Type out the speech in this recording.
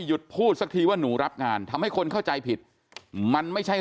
หยุดพูดสักทีว่าหนูรับงานทำให้คนเข้าใจผิดมันไม่ใช่